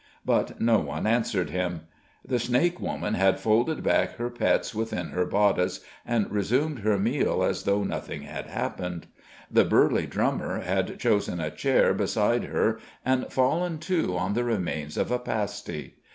But no one answered him. The snake woman had folded back her pets within her bodice and resumed her meal as though nothing had happened. The burly drummer had chosen a chair beside her and fallen to on the remains of a pasty.